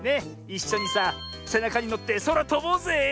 いっしょにさせなかにのってそらとぼうぜえ！